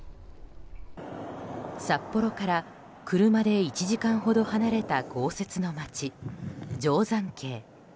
札幌から車で１時間ほど離れた豪雪の街・定山渓。